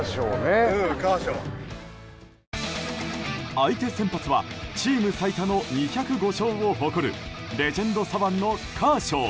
相手先発はチーム最多の２０５勝を誇るレジェンド左腕のカーショー。